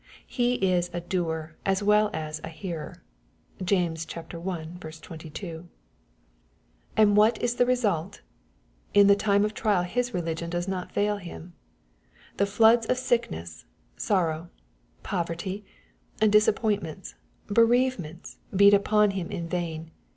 He is a doer as well as a hearer. (James i. 22.) And what is the result ? In the time of trial his 'religion does not fail him. The floods of sickness, sorrow, poverty, disappointments, bereavements beat upon him in vain.